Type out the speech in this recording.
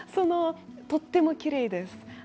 とてもきれいです。